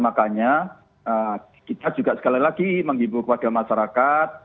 makanya kita juga sekali lagi menghibur kepada masyarakat